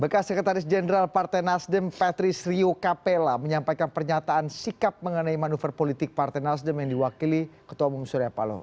bekas sekretaris jenderal partai nasdem patrice rio capella menyampaikan pernyataan sikap mengenai manuver politik partai nasdem yang diwakili ketua umum surya paloh